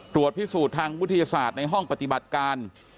ตรวจพิสูจน์ทางวิทยาศาสตร์ในห้องปฏิบัติการ